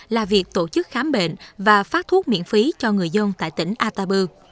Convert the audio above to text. là việc tổ chức khám bệnh và phát thuốc miễn phí cho người dân tại tỉnh atta bư